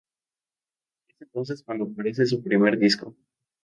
Es entonces cuando aparece su primer disco.